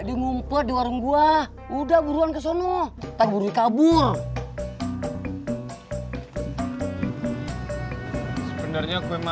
di ngumpul di warung gua udah buruan kesana tak buru kabur